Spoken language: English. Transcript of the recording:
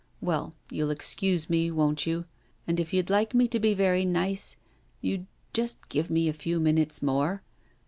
Well, you'll excuse me, won't you? And if you'd like me to be very nice, you'd just give me a few minutes more.